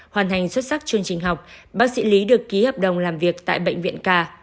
hoàn thành xuất sắc chương trình học bác sĩ lý được ký hợp đồng làm việc tại bệnh viện ca